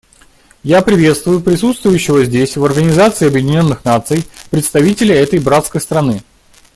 Я приветствую присутствующего здесь, в Организации Объединенных Наций, представителя этой братской страны.